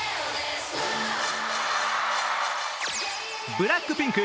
ＢＬＡＣＫＰＩＮＫ